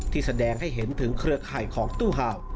ที่แสดงให้เห็นถึงเครือไขของตู้ห่าว